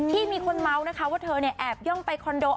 ที่มีคนเมาส์นะคะว่าเธอแอบย่องไปคอนโด